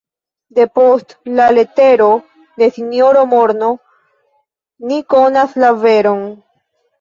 Depost la letero de sinjoro Morno ni konas la veron.